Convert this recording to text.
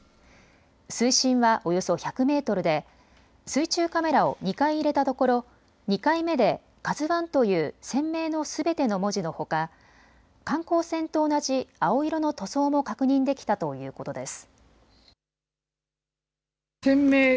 水深はおよそ１００メートルで水中カメラを２回入れたところ２回目でＫＡＺＵＩという船名のすべての文字のほか観光船と同じ青色の塗装も確認できたということです。